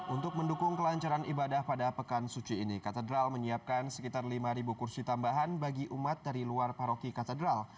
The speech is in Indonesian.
untuk mendukung kelancaran ibadah pada pekan suci ini katedral menyiapkan sekitar lima kursi tambahan bagi umat dari luar paroki katedral